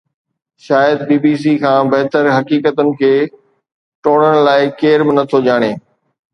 شايد B B C کان بهتر حقيقتن کي ٽوڙڻ لاءِ ڪير به نٿو ڄاڻي